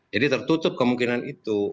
jadi tertutup kemungkinan itu